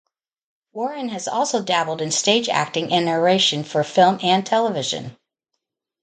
Warren has also dabbled in stage acting and narration for film and television.